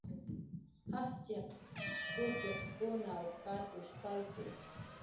Jajch'iq kukiqkunw katush palki.